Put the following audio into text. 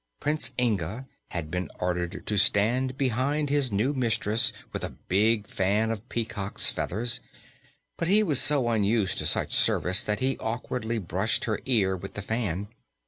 Prince Inga had been ordered to stand behind his new mistress with a big fan of peacock's feathers, but he was so unused to such service that he awkwardly brushed her ear with the fan.